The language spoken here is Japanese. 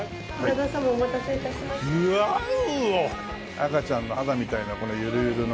赤ちゃんの肌みたいなこのゆるゆるの。